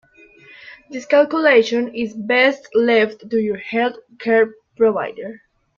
This calculation is best left to your health care provider.